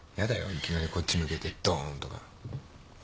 いきなりこっち向けてドーンとか。